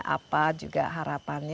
apa juga harapan mereka